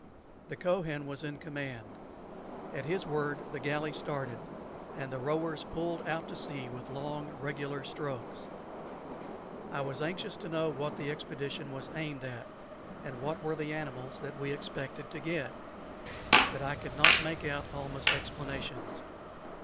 The Kohen was in command. At his word the galley started, and the rowers pulled out to sea with long, regular strokes. I was anxious to know what the expedition was aimed at, and what were the animals that we expected to get; but I could not make out Almah's explanations.